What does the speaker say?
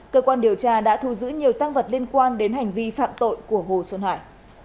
cơ quan điều tra đã thu giữ nhiều tăng vật liên quan đến hành vi phạm tội của hồ xuân hải